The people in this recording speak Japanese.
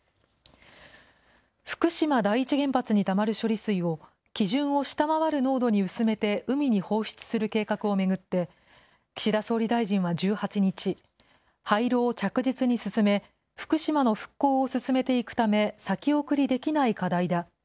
福島第一原発にたまる処理水を、基準を下回る濃度に薄めて海に放出する計画を巡って、岸田総理大臣は１８日、廃炉を着実に進め、福島の復興を進めていくため、先送りできない課題だ。